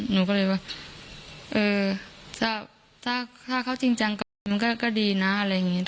หนูก็เลยว่าเออถ้าเขาจริงจังก่อนมันก็ดีนะอะไรอย่างนี้